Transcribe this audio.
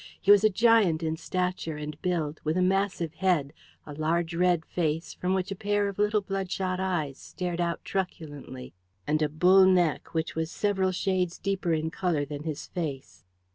He was a giant in stature and build, with a massive head, a large red face from which a pair of little bloodshot eyes stared out truculently, and a bull neck which was several shades deeper in colour than his face.